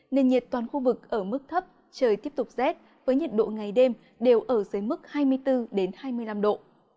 nền nhiệt toàn khu vực ở mức thấp trời tiếp tục rét với nhiệt độ ngày đêm đều ở dưới mức hai mươi bốn hai mươi năm độ